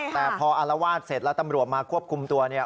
แต่พออารวาสเสร็จแล้วตำรวจมาควบคุมตัวเนี่ย